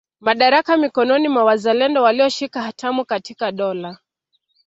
Madaraka mikononi mwa wazalendo walioshika hatamu katika dola